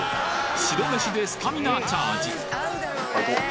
白めしでスタミナチャージ！